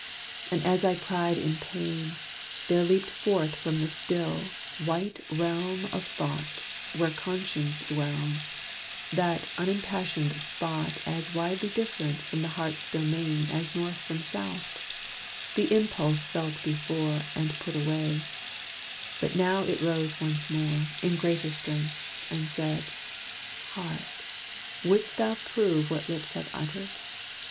And as I cried in pain, There leaped forth from the still, white realm of Thought Where Conscience dwells, that unimpassioned spot As widely different from the heart's domain As north from south the impulse felt before, And put away; but now it rose once more, In greater strength, and said, "Heart, would'st thou prove What lips have uttered?